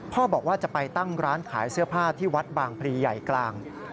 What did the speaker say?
บอกว่าจะไปตั้งร้านขายเสื้อผ้าที่วัดบางพรีใหญ่กลาง